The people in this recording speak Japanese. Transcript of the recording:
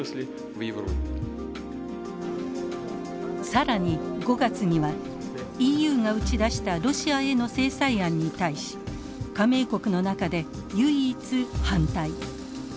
更に５月にはＥＵが打ち出したロシアへの制裁案に対し加盟国の中で唯一反対。